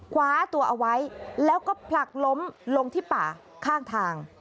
คว้าตัวเอาไว้แล้วก็ผลักล้มลงที่ป่าข้างทาง